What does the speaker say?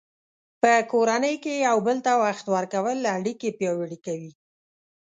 په کورنۍ کې یو بل ته وخت ورکول اړیکې پیاوړې کوي.